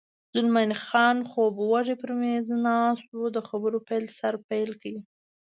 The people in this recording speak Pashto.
زلمی خان خوب وږی پر مېز ناست و، د خبرو سر پیل کړ.